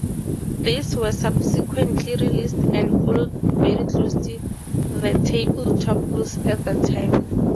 These were subsequently released, and followed very closely the tabletop rules at that time.